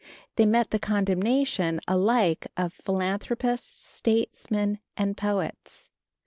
They met the condemnation alike of philanthropists, statesmen and poets.